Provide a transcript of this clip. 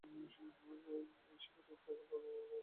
সেই বছর, তার বাবা মারা যান।